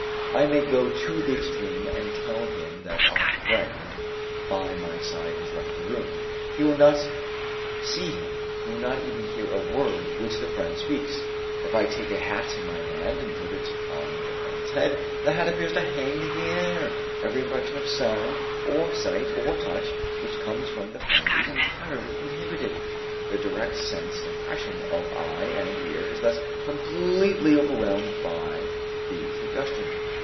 I may go to the extreme and tell him that our friend by my side has left the room; he will not see him, he will not even hear a word which the friend speaks. If I take a hat in my hand and put it on the friend's head, the hat appears to hang in the air. Every impression of sound or sight or touch which comes from the friend is entirely inhibited. The direct sense impression of eye and ear is thus completely overwhelmed by the suggestion.